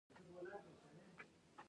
زه له مرغانو سره مينه لرم.